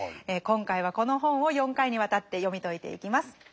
今回はこの本を４回にわたって読み解いていきます。